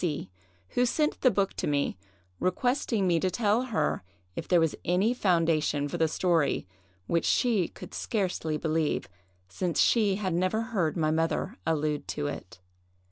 C——, who sent the book to me, requesting me to tell her if there was any foundation for the story, which she could scarcely believe, since she had never heard my mother allude to it.